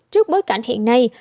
trước bối cảnh hiện nay